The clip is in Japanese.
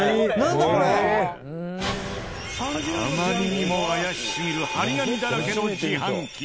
あまりにも怪しすぎる貼り紙だらけの自販機。